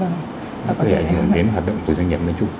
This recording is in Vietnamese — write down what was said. nó có thể ảnh hưởng đến hoạt động của doanh nghiệp nói chung